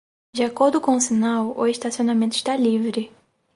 De acordo com o sinal, o estacionamento está livre.